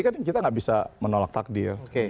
kan kita nggak bisa menolak takdir